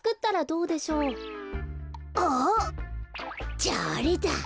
じゃああれだ。